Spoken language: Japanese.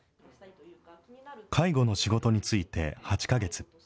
介護の仕事に就いて８か月。